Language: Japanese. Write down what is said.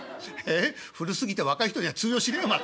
古すぎて若い人には通用しねえよ全く。